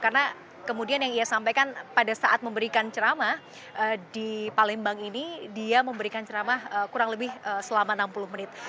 karena kemudian yang ia sampaikan pada saat memberikan ceramah di palembang ini dia memberikan ceramah kurang lebih selama enam puluh menit